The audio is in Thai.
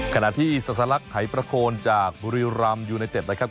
ขณะที่สัสลักไถ้ประโคนจากบุริยุรัมย์ยูนาเต็ปนะครับ